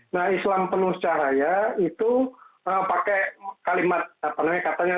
nah islam penuh cahaya itu pakai kalimat apa namanya katanya